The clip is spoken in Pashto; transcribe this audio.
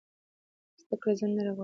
زده کړه ځنډ نه غواړي.